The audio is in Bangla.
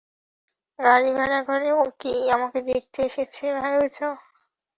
গাড়িভাড়া করে ও কি আমাকে দেখতে এসেছে ভেবেছ?